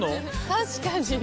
確かに。